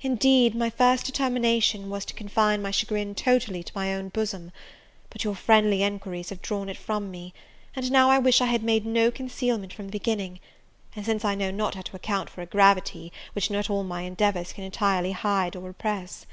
Indeed, my first determination was to confine my chagrin totally to my own bosom; but your friendly enquiries have drawn it from me: and now I wish I had made no concealment from the beginning, since I know not how to account for a gravity, which not all my endeavours can entirely hide or repress.